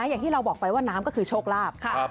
อย่างที่เราบอกไปว่าน้ำก็คือโชคลาภ